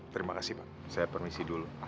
terima kasih pak saya permisi dulu